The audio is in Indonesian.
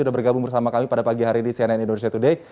sudah bergabung bersama kami pada pagi hari ini cnn indonesia today